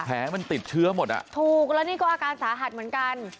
แผลมันติดเชื้อหมดอ่ะถูกแล้วนี่ก็อาการสาหัสเหมือนกัน